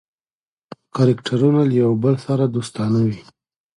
کرکټرونه له یو بل سره دوستانه دي.